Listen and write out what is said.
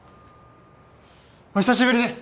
お久しぶりです